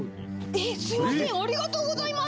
すみません、ありがとうございます。